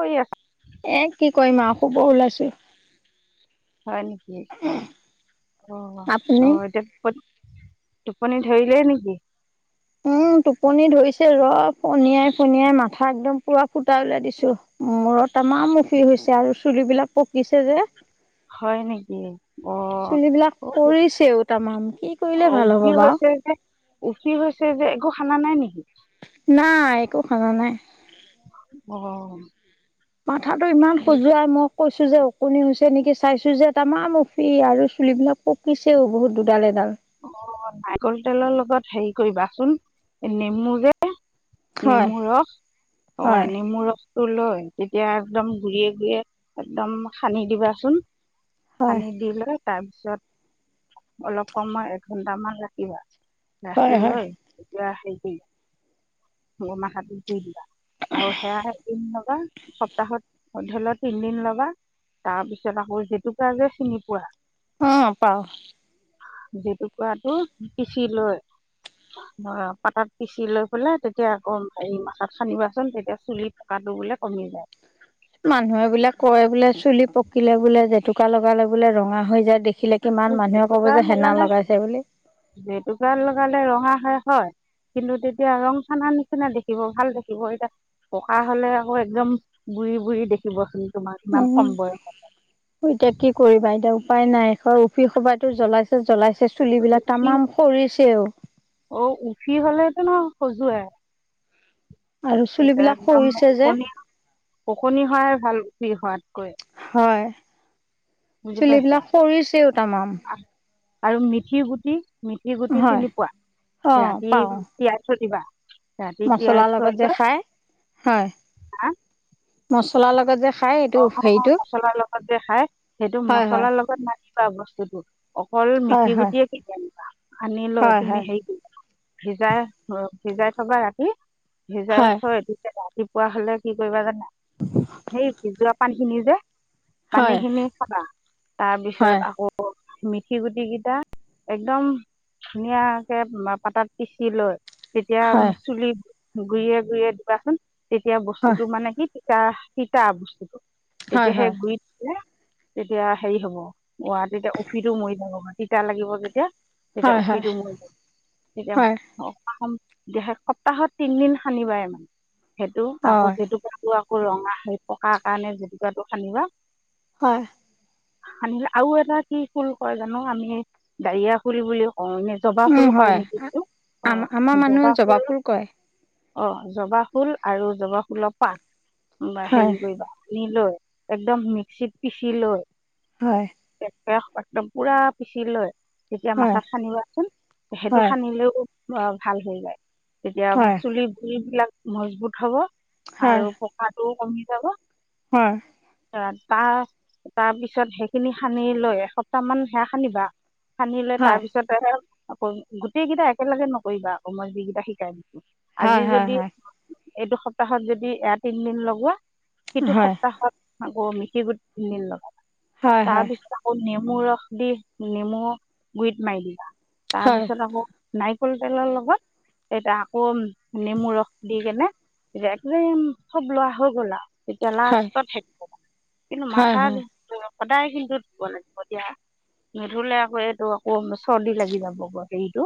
কৰি আ [unintelligible] এ কি কৰিমা শুব ওলাইছো [unintelligible] হয় নেকি আহ আপুনি আহ এতিয়া কত টোপনি ধৰিলে নেকি উম টোপনি ধৰিছে ৰ পনিয়াই পনিয়াই মাথা একদম পুৰা ফুটাাই ওলাই দিছো মূৰত আমাৰ মুখি হৈছে আৰু চুলিবিলাক পকিছে যে [unintelligible] হয় নেকি অ চুলিবিলাক অ পৰিছেও তাৰামাম কি কৰিলে অ ভাল হ'ব উফি বাৰ হৈছে যে উফি হৈছে যে [unintelligible] খানা নাই নেকি একো খানা নাই অ মাথাটো ইমান খজোৱাই মোক কৈছোঁ যে অকণনি হৈছে নেকি চাইছোঁ যে এটা মাফি আৰু চুলিবিলাক পকিছেও বহুত দুডাল এডাল [unintelligible] অ নাৰিকল তেলৰ লগত হেৰি কৰিবাচোন নেমু যে [unintelligible] হয় নেমুৰ ৰস অ হয় নেমুৰ ৰস তটো লৈ তেতিয়া একদম ঘুভিভিৰিয়ে ঘুৰিয়ে একদম সানি দিবাচোন [unintelligible] আ হয় দিল [unintelligible] তাৰপিছত অলপ সময় এঘণ্টামান ৰাখিবা [unintelligible] হয় ৰাখি হয় লৈ এতিয়া হে ম মাখাটো স দিবা [unintelligible] আৰু হে বা [unintelligible] সপ্তাহত অধ ল'তিনদিন লবা তাৰপিছত আকৌ জেতুকা যে চিনি পোৱা? অ, পাও। জেতুকুৰাটো পিচি লৈ ধ পাতত পিচি লৈ জেতুকাটো পিচি লৈ পাতাত পিচি লৈ পেলাই তেতিয়া আকৌ হেৰি মথাত খানিবাচোন তেতিয়া চুলি পকাটো বোলে কমি যায়। মানুহে বোলে কয় বোলে, চুলি পকিলে বোলে জেতুকা লগালে বোলে ৰঙা হৈ যায় দেখি, জেতুকা লগালে, বুলি জেতুক লগালে ৰঙা, হয় কিন্তু তেতিয়া ৰং খানা নিচিনা দেখিব ভাল দেখিব এতিয়া পকা হলে আকৌ একদম বুঢ়ী- বুঢ়ী দেখিব চুলি। উম, এতিয়া কি কৰিবা এতিয়া উপায় নাই এখৰ উফি সপাইটো জ্বলাইছে, জ্বলাই, ছে চুলিবিলাক উফি তামাম সৰিছেও। অ, উখি হ'লেতো নহ, সজুৱাই। আৰু চুলিবিলাক খহিছে যে, ওকণি হোৱাই ভাল উফি হোৱাতকৈ। হয়। বুজি পাইছা চুলিবিলাক সৰিছেও তামাম। আৰু মেথি - গুটি, মেঠি -গুটি হয় চিনি পোৱা ৰাতি তিয়াই থৈ দিবা। ৰাতি তিয়াই মছলা থৈ লগত যে লৈ খাই হয়। মছলাৰ লগত যে, খাই এইটো অ', হেৰিটো মছলাৰ লগত যে খাই সেইটো হয় হয় মছলাৰ লগত না, খুৱা বস্তুটো। অকল হয় মেথি-গুটিয়ে কেইটা দিবা। আনিলৈ হয় হয় তুমি হেৰী কৰিবা, ভিজাই, সিজাই থবা ৰাতি ভিজাই হয় থৈ, - ৰাতিপুৱা হলে কি কৰিবা জানা, সেই, - পানীখিনি যে, হয় পানী- হয় খিনি খাবা তাৰপিছত হয় আকৌ, - মেথি -গুটি কেইটা একদম ধুনীয়াকে পাতাত পিচি লৈ তেতিয়া হয় হয় চুলি, গুৰিয়ে গুৰিয়ে দিবাচোন। তেতিয়া হয় বস্তুতটো মানে কি, তিতা, তিতা বস্তু, হয় তেতিয়াহে হয় গুৰিত দিলে, তেতিয়া হেৰি হব ৱা তেতিয়া উফিটো মৰি যাব তিতা লাগিব যেতিয়া তেতিয়া হয় উফিটো মৰি যাব তেতিয়া হয় হয় দেহে সপ্তাহত তিনদিন হানিবাই মানে সেইটো আকৌ হয় যিটো ক ৰঙা হৈ তাৰ কাৰণে জেটোকাটো খানিবা হয় নিলে আৰু এটা কি ফুল কয় জানো আমি দাৰিয়া ফুল বুলি কও অ এনে জবা উম ফুল কয় হয় নেকি এইটো অ আম আমাৰ মানুহে জবা ফুল কৰে অ জবা ফুল আৰু জবা ফুলৰ পাত বা হে হয় লৈ একদম মিক্সিত পিচি লৈ হয় স একদম পুৰা পিচি লয় যেতিয়া হয় মাথাাত খানিবাচোন সেইটো হয় সানিলেও বা ভাল হৈ যায় তেতিয়া হয় চুলি গুৰি বিলাক মজবুত হব হয় আৰু পকাটো কমি যাব হয় তাৰ তাৰ পিছত সেইখিনি সানি লৈ এসপ্তাহ মান সেয়া সানিবা সানিলে হয় তাৰ পিছতে আকৌ গোটেই কেইটা একেলগে নকৰিবা আ মই যিকেইটা শিকাই দিছো হা হা এইটো সপ্তাহত যদি এয়া তিনদিন লগোৱা হিটো হয় সপ্তাহত হয় অ মিঠি গোট তিনিদিন লগাবা হয় হয় তাৰ হয় পিছত আকৌ ম ৰস দি নেমু গুৰিত মাৰি দিলা তাৰ হয় পিছত আকৌ নাইট কল তেলৰ লগত এতিয়া আকৌ নেমু ৰস দি কেনে এয়া একদম চব লোৱা হৈ গ'ল আৰু জে হয় লাস্তত থাকিব কিন্তু হয় মাথা হয় সদায় কিন্তু ধুব লাগিব এতিয়া নুধুলে আকৌ এইটো আকৌ চৰ্দি লাগি যাব হেৰিটো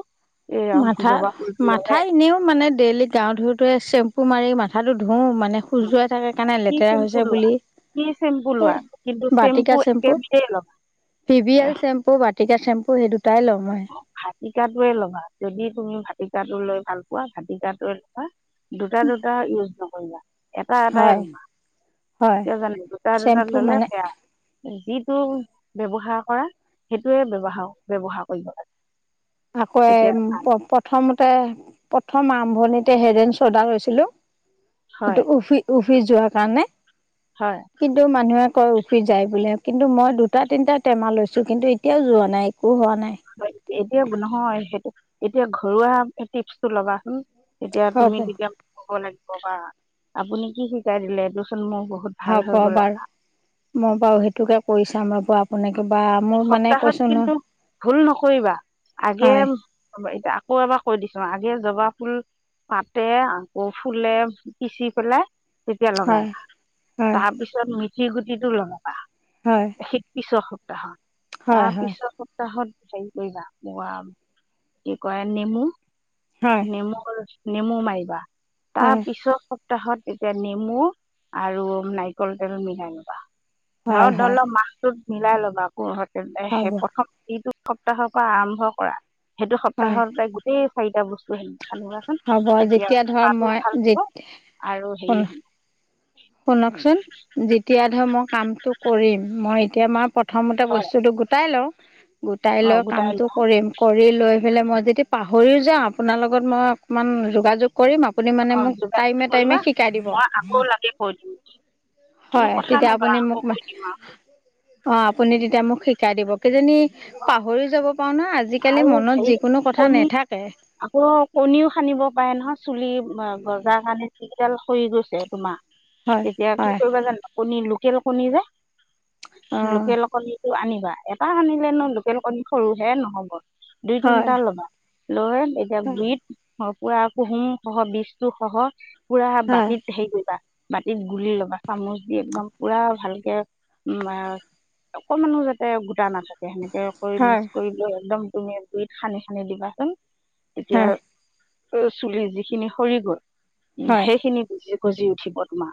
এই মাথা জবা ফুলটো মাথা ল'লে এনেও মানে ডেইলি গাওঁ ধৰোতে চেম্পু মাৰি মাথাটো ধু মানে খুজুৱাই থাকে কাৰণে কি লেতেৰা চেম্পু হৈছে লোৱা বুলি কি চেম্পু এ লোৱা কিন্তু বাটিকা চেম্পু, একেবিধেই ল'বা ভিভি এল চেম্পু [unintelligible] মই অ', ভাটিকাটোৱে ল'বা। যদি তুমি ভাটিকাটো লৈ ভাল পোৱা ভাটিকটো ল'বা, দুটা, দুটা ইউজ নকৰিবা। এটা-এটাই হয় লমা হয় কিয় জানে দুটা দুটা চেম্পু ল'লে মানে বেয়া। যিটো ব্যৱহাৰ কৰা, সেইটোয়ে ব্যৱহাৰ-ব্যৱহাৰ কৰিব লাগে। আকৌ তেতিয়া এম প্ৰ-প্ৰথমতে প প্ৰথম আৰম্ভণিতে হেৰেন শ্ৰদা লৈছিলো। হয় সেইটো উফি-উফ ফৰি যোৱাৰ কাৰণে। হয় কিন্তু মানুহে কয় উফি যায় বোলে কিন্তু মই দুটা তিনিটা টেমা লৈছোঁ কিন্তু এতিয়াও যোৱা নাই। ও হোৱা নাই। হয়, এতিয়া নহয়, সেইটো-সেইটো এতিয়া ঘৰুৱা টিপচটো ল'বাচোন। তেতিয়া, হ'ব তুমি তেতিয়া ক'ব লাগে। আপুনি কি শিকাই দিলে এইটো? হব বাৰু। মই বাৰু সেইটোকে কৰিছো। [unintelligible] সপ্তাহত কিন্তু ভুল নকৰিবা। আগে, নহয় এতিয়া আকৌ এবাৰ কৈ দিছো যিয়ে জবা ফুল পাতে, আকৌ ফুলে পিচি পেলাই তেতিয়া হয় লগাবা, হয় তাৰপিছত শিল গুটিটো ল'বা। হয়। [unintelligible] হয় তাৰ হয় পিছৰ সপ্তাহত হেৰি কৰিবা, কি কৰে নেমু হয় নেমু নেমু মাৰিবা। হয় তাৰ হয় পিছৰ সপ্তাহত এতিয়া নেমু আৰু নাৰিকল তেল মিলাই লবা। ধৰ হয় ধল হয় ম [unintelligible] [inaudible] প্ৰথম [unintelligible] হ'ব সপ্তাহৰ পৰা আৰম্ভ কৰা। সেইটো হয় সপ্তাহৰ ত গোটেই [unintelligible] চিটা বস্তু খেি [unintelligible] খানাচোন হ'ব তেতিয়া যেতিয়া ধৰক পাতো মই ভাল পাব যেতিয়া আৰু হেৰি হ [unintelligible] শুনকচোন যেতিয়া মই কামটো কৰিম মই এতিয়া মই প্ৰথমতে হয় বস্তুটো গোটাই লওঁ গোটাই অঁ লৈ গোটাই কামটো লোৱা কৰিম কৰি লৈ পেলাই মই যদি প ভৰিও যাওঁ আপোনাৰ লগত মই অকণমান যোগাযোগ কৰিম আপুনি মানে অঁ মোক যোগাযোগ টাইমে কৰিবা টাইমে শিকাই দিব মই আকৌ লাগে কৈ দিম কোনো হয় কথা নাই বাৰ আকৌ কৈ দিম আ অ আপুনি তেতিয়া মোক শিকাই দিব কেইজনী পাহৰি যাব পাৰো না আজ আৰু হেৰি কণী আকৌ কণীও সানিব পাৰে নহয় চ যি গজাৰ কাৰণে যিকিডাল সৰি গৈছে তোমা হয় তেতিয়া কি হয় কৰিবা জানো আপোনি লু লোকেলকনি নে [unintelligible] অঁ লোকেল কণি টো আনিবা এটা আনিলে নো লোকেল কণী সৰুহে নহ'ব [unintelligible] দুই হয় তিনটা লবা লয় এতিয়া হয় বিত অ পুৰা কোহোম সহ বিজটো সহ [unintelligible] পুৰা হয় বাতিত হেৰি কৰিবা বাতিত গুলি ল'বা চামুচ দি একদম পুৰা ভালকে উ অকণমানো যাতে গোটা নাথাকে [unintelligible] সেনেকে কৈ হয় মিক্স কৰি লৈ একদম [unintelligible] তুমিয়ে গুৰিত খানি খানি দিবাচোন এতিয়া হয় অ চুলি যিখিনি সৰি গল উ হয় সেইখিনি গজি উঠিব তোমাৰ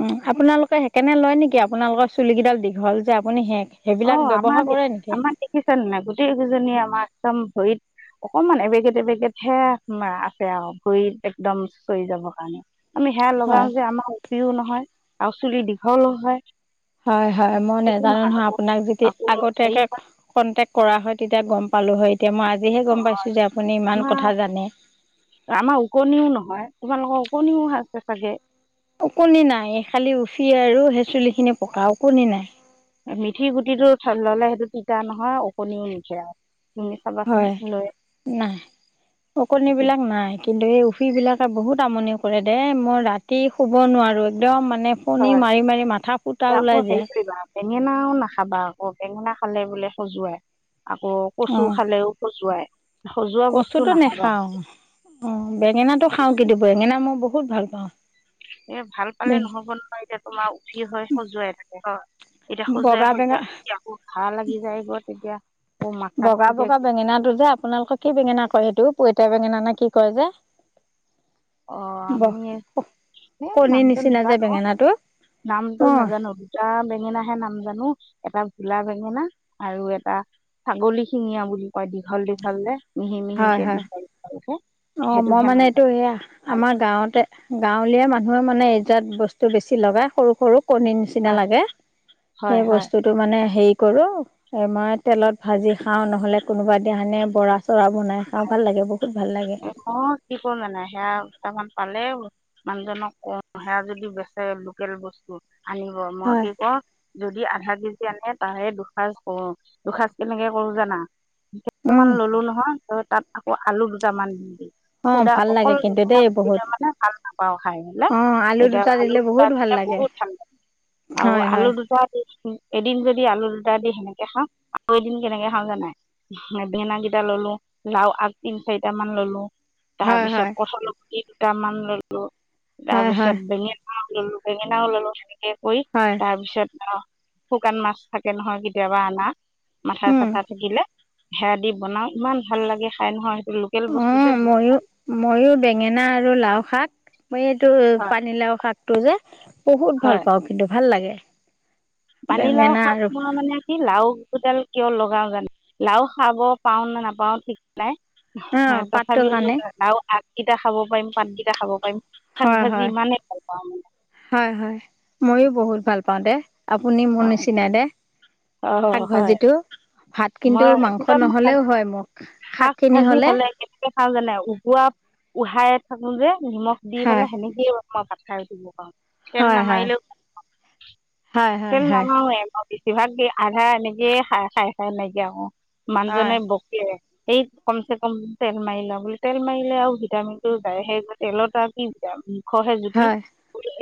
উ আপোনালোকে সেইকাৰনে লয় নেকি আপোনালোকৰ চুলি কেইডাল দীঘল যে আপুনি হে অ আমাৰ দে আমাৰ দেখিছে নে নাই গোটেই কেইজনী আমাৰ একদম ভৰিত অকমান এবেগেত এবেগেতহে আছে আৰু ভৰিত একদম চৰি যাবৰ কাৰণে। আমি সেয়া হয়। লগাও যে আমাৰ উফিও নহয় আৰু চুলি দীঘলও হয়। হয় হয় মই একো নাজানো নহয় আকৌ আপুনি। আপাক যেতিদি আকৌ হেৰি আগতাকে হয় কন্টেক্ট কৰা হয় তেতিয়া গম পালো হয়। এতিয়া মই আজিহে অ, গম পাইছো যে আপুনি ইমান আমাৰ কথা জানে। ওকণীওহ আছে চাগে ওকণি নাই খালি উফি আৰু হেচুলি মিঠি গুটিটো ললে সেইটো টিতা নহয় ওকণনিও নুঠে আৰু। তুমি চাবাচোন হয় লৈ নাই ওকণি বিলাক নাই কিন্তু এই সেইবিলাকে বহুত আমনি কৰে দে মই ৰাতি শুব নোৱাৰো একদম মানে ফণী হয় মাৰি মাৰি মাথা ফুটা ওলাই আকৌ হেৰি যায়। কৰিবা বেঙেনাও নাখাবা আকৌ বেঙেনা খালে বোলে খজোৱায় আকৌ কচু খালেও খজোৱাই কচুতো নেখাও অ বেঙেনা টো খাও কিন্তু বেঙেনা মই বহুত ভাল পাও। পাওঁ এ ভাল পালে বেঙে নহব নহয় এতিয়া তোমাৰ উফি হয় খজুৱাই থাকে এতিয়া খজুৱাই বগা বেঙা খজুৱাইয়া আকৌ ঘাঁ লাগি যায় গ তেতিয়া আকৌ মাথাত বগা তেতিয়া বগা বেঙেনা টো যে আপোনালোকৰ কি বেঙেনা কয় সেইটো পইতাৰ বেঙেনা নে কি কয় যে। অ ব আমি এ কণীৰ নামটো নিচিনা যে নাজানো বেঙেনাটো নামটো অ নাজানো দুটা বেঙেনাহে নাম জানো এটা গোলা বেঙেনা আৰু এটা ছাগলী শিঙীয়া বুলি কয় দীঘল দীঘল যে। মিহি মিহি হয় কে হয় দীঘল দীঘল কে অ মই মানে এইটো সেয়া আমাৰ গাঁৱতে গাঁৱলীয়া মানুহ। মানুহে মানে এইজাত বস্তু বেছি লগাই সৰু সৰু। কণীৰ নিচিনা হয় লাগে হয় সেই হয় বস্তুটো মানে হে কৰো এ মই তেলত ভাজি খাও নহলে কোনোবাদ দিনে বৰা বৰা বনাই খাওঁ ভাল লাগে বহুত ভাল লাগে। অ কি কৰো জানাই সেয়া কেইটামান পালে মানুহজনক কওঁ সেয়া যদি বেচে লোকেল বস্তু। আনিব মই হয় কি ক যদি আধা কেজি। আনে তাহ দুসজ কৰো দুসজ কেনেকে কৰো জানা। উম ললো নহয় ত। তাত আকৌ আলু। মান দি। অ খুদা ভাল লাগে অকল কিন্তু মেখেলা দেই বহুত। মতিিলে মানে ভাল নাপাওঁ খাই হলে অ এতিয়া দুটা আলু দিলে দুটা বহুত ভাল দিলে লাগে। বহুত ভাল লাগে আৰু হয় আলু হয় দুটা দি এদিন যদি আলু দুটা দি সেনে। খা আৰু এদিন কেনেকে খাওঁ জানাই বেন কেইটা ললো লাও আগ। চাৰট মান ললো। তাৰ হয় পিছত হয় কথ। কেইতমান ললো। হয় হয় তাৰপিছত ডঙি। উম বেঙ নল ললো সেনেকে। কই হয়। তাৰপিছত অহ। শুকান মাছ থাকে নহয় কেতিয়াবা আনা। মাথা উম চাথা থাকিলে। হেৰা দি বনাও ইমান ভাল লাগে খাই। নহয় সেইটো লোকেল অ বস্তু যে বহুত মইো ময়ো বেঙেনা আৰু লাও শাক। মই এইটো হয় পানীলাও খাত। তটো যে। বহুত ভাল পাওঁ কিন্তু। ভাল লাগে। পানী লাও বেঙেনা শাত আৰু মই মানে কি লাওডাল। কিয় লগাও জানো লাও খাব পাওঁ নে নাপাওঁ ঠিক নাই। অ স পাতটোৰ তথাপি। কাৰণে। ভাতকেইটা খাব পাৰিম পাতকেইটা খাব পাৰিম। শাক হয়, ভাজি হয়, ইমানেই ভাল পাওঁ মানে হয়, হয় মইয়ো বহুত। ভাল পাওঁ দে। আপুনি মোৰ অঁ নিচিনাই দে অঁ শাক হয় ভাজিটো ভাত কিন্তু মই মাংস একদম শাক নহলেও হয় মোক শাক খিনি হলে। উহাইে থাকো যে। নিমখ দি হয়। পেলাই সেনেকয়ে ব। খ পাত খাই উঠিব ক। খেল ন হয় হয়। মাইলৈ। হয় হয় তেল নে হয়। মাৰোৰে বাও। বেছিভাগকে আধা এনেকে খ খাই খাই নাইকিয়া হয়। হয়। মানুহজনে বকে। সেই কমচে কম তেল মাৰি লওঁ বুলি, তেল মাৰিলে আৰু ভিটামিনটো যায় হে। সেই তেলত আৰু কি ভিটামিন মুখৰহে জুতি। হয়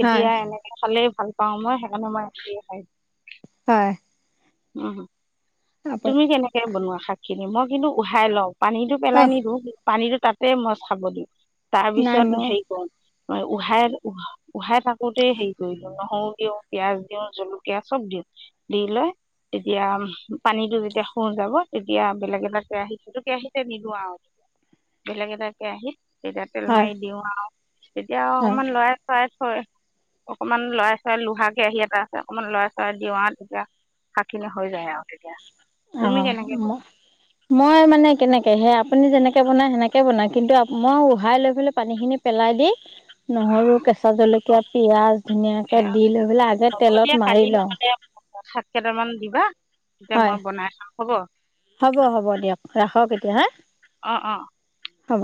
হয় এতিয়া এনেকে খালে ভাল পাওঁ মই সেইকাৰণে মই [unintelligible] হয় উম। আপ তুমি কেনেকে বনোৱা? শাক খিনি মই কিন্তু উহাই লও। পানীটো পেলাই অহ নিদু। পানীটো তাতে মই চাব দিওঁ। নাই তাৰপিছত মোৰ হেৰি কৰোঁ উহাই-উহাই থাকোতে হেৰি কৰি দি নহৰু দিওঁ, পিয়াঁজ দিওঁ। জলকীয়া চব দিওঁ। দি লৈ তেতিয়া পানীটো যেতিয়া শু যাব তেতিয়া বেলেগ এটা কেৰাহিত দিলোঁ। সেতো কেৰাহিতে দিলোঁ আৰু বেলেগ এটা কেৰাহীত এতিয়া তেল হয় মাৰি দিওঁ আৰু তেতিয়া হয়। অকমান লৰাই-চৰাই হয় অকমান লৰাই-চৰাই লোহা কেৰাহী এটা আছে, অকমান লৰাই চৰাই দিওঁ আৰু তেতিয়া শাকখিনি হৈ যায় আৰু তেতিয়া। অ তুমি কেনেকে ম মই মানে কেনে তেহে আপুনি যেনেকে বনাই সেনেকে বনায়। কিন্তু মই উহাই লৈ পেলাই পানী খিনি পেলাই দি নহৰু, কেঁচা জলকীয়া, বনোৱা পিয়াজ ধুনীয়াকে দি লৈ পেলাই আগে হ'ব তেলত দিয়া মাৰি কালি লওঁ। নহ'লে শাক কেইটামান দিবা। তেতিয়া হয় মই বনাই খাম হ'ব হ'ব, হ'ব দিয়ক। ৰাখক এতিয়া হান। অঁ অঁ হ'ব।